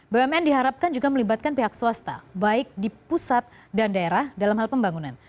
bumn diharapkan juga melibatkan pihak swasta baik di pusat dan daerah dalam hal pembangunan